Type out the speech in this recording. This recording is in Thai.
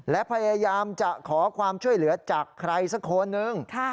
และพยายามจะขอความช่วยเหลือจากใครสักคนนึง